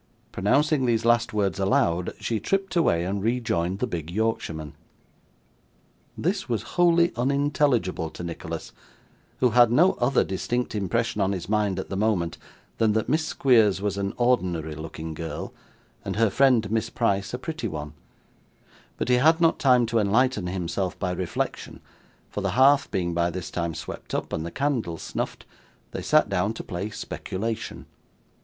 Pronouncing these last words aloud, she tripped away and rejoined the big Yorkshireman. This was wholly unintelligible to Nicholas, who had no other distinct impression on his mind at the moment, than that Miss Squeers was an ordinary looking girl, and her friend Miss Price a pretty one; but he had not time to enlighten himself by reflection, for the hearth being by this time swept up, and the candle snuffed, they sat down to play speculation.